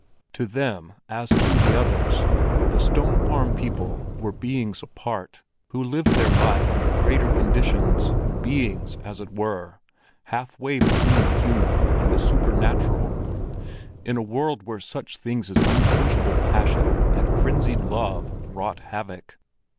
To them as to the others, the Stone Farm people were beings apart, who lived their life under greater conditions, beings, as it were, halfway between the human and the supernatural, in a world where such things as unquenchable passion and frenzied love wrought havoc.